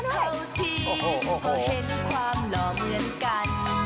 เห็นความหล่อเหมือนกัน